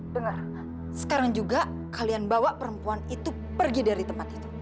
dengar sekarang juga kalian bawa perempuan itu pergi dari tempat itu